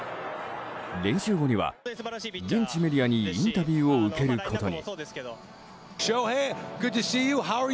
練習後には現地メディアにインタビューを受けることに。